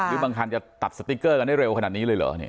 หรือบางคันจะตัดสติ๊กเกอร์กันได้เร็วขนาดนี้เลยเหรอ